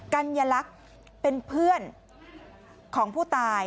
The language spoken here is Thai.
กัญลักษณ์เป็นเพื่อนของผู้ตาย